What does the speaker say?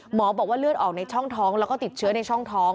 หมอบอกว่าเลือดออกในช่องท้องแล้วก็ติดเชื้อในช่องท้อง